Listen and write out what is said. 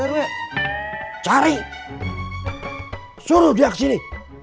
ini masjid dalamnya